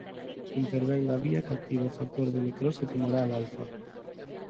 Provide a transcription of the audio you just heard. Intervén na vía que activa o factor de necrose tumoral alfa.